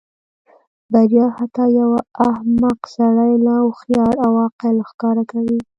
بریا حتی یو احمق سړی لا هوښیار او عاقل ښکاره کوي.